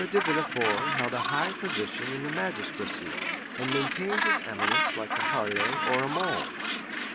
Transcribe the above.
de Villefort held a high position in the magistracy, and maintained his eminence like a Harlay or a Molé.